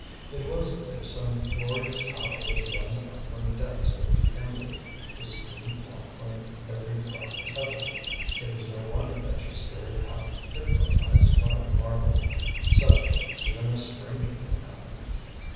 It was as if some glorious power was welling up from the depths of the emerald to stream off from every carved petal. It was no wonder that she stared half hypnotized by the marvel. Suddenly even a stranger thing happened.